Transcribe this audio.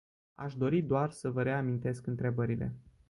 Aș dori doar să vă reamintesc întrebările.